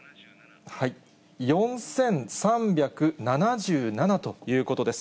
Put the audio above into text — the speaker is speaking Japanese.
４３７７ということです。